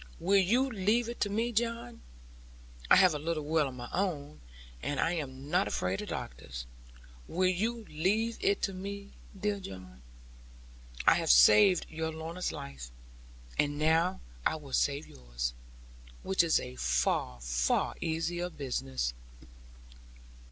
Will you leave it to me, John? I have a little will of my own; and I am not afraid of doctors. Will you leave it to me, dear John? I have saved your Lorna's life. And now I will save yours; which is a far, far easier business.'